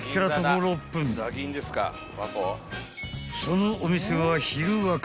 ［そのお店は］